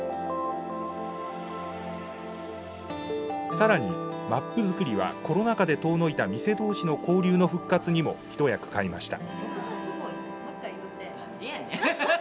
更にマップ作りはコロナ禍で遠のいた店同士の交流の復活にも一役買いました。